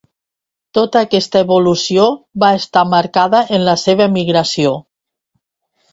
Tota aquesta evolució va estar marcada en la seva emigració.